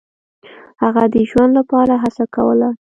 هغه د ژوند لپاره هڅه کوله.